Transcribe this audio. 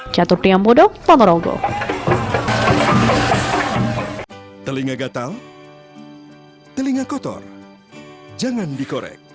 jatuh tiam bodok ponorogo